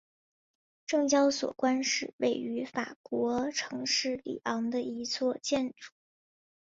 证交所宫是位于法国城市里昂的一座建筑。